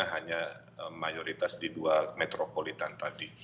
hanya mayoritas di dua metropolitan tadi